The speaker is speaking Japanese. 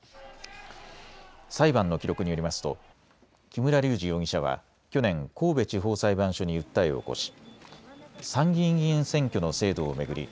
裁判の記録によりますと木村隆二容疑者は去年、神戸地方裁判所に訴えを起こし参議院議員選挙の制度を巡り